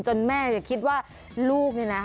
จนแม่จะคิดว่าลูกเนี่ยนะ